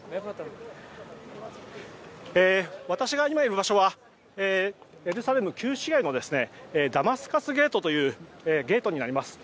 私が今いる場所はエルサレム旧市街のダマスカスゲートというゲートになります。